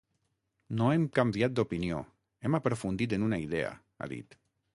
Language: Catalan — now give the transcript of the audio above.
No hem canviat d’opinió, hem aprofundit en una idea, ha dit.